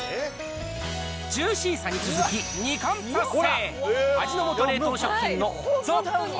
ジューシーさに続き２冠達成。